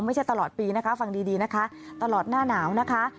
ตลอดปีนะคะฟังดีนะคะตลอดหน้าหนาวนะคะ